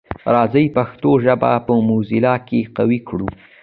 راځی پښتو ژبه په موزیلا کي قوي کړو.